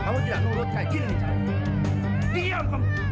kamu sekarang kamu tidak bisa diatur langsung